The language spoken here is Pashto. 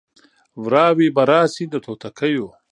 وراوي به راسي د توتکیو